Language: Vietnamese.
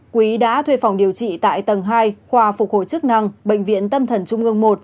quý đã thuê phòng điều trị tại tầng hai khoa phục hồi chức năng bệnh viện tâm thần trung ương một